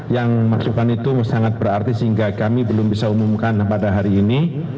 yang masukan itu sangat berarti sehingga kami belum bisa umumkan pada hari ini